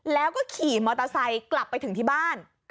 แล้วก็ขี่มอเตอร์ไซค์กลับไปถึงที่บ้าน